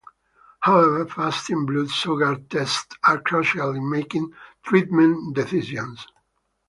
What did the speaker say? However, fasting blood sugar tests are crucial in making treatment decisions.